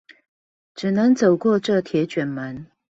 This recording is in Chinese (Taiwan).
只能走過這鐵捲門